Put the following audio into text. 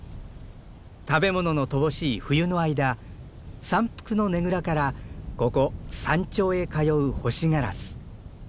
食べ物の乏しい冬の間山腹のねぐらからここ山頂へ通うホシガラス。